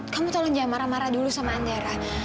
kamu tolong jangan marah marah dulu sama andara